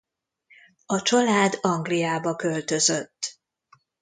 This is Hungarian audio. A család Angliába költözött.